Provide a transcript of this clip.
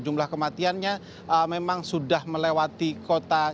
jumlah kematiannya memang sudah melewati kota